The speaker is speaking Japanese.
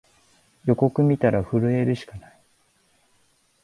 予告みたら震えるしかない